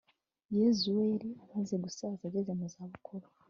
yozuwe yari amaze gusaza, ageze mu zabukuru